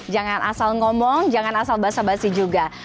jangan asal ngomong jangan asal basah basi juga